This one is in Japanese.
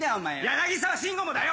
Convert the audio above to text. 柳沢慎吾もだよ！